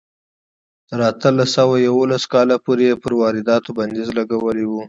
تر اتلس سوه یوولس کاله پورې یې پر وارداتو بندیز لګولی و.